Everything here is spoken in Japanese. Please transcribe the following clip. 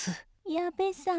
矢部さん。